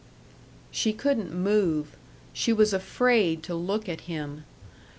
She couldn't move; she was afraid to look at him.